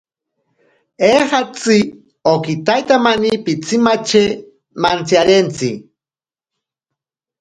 Eejatzi okitaitamani pitsimatye mantsiyarentsi.